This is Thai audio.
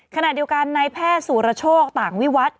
ขณะเดียวกันในแพทย์สุรโชคต่างวิวัตร